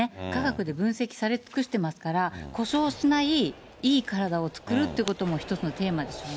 科学で分析され尽くしてますから、故障しないいい体を作るということも一つのテーマですよね。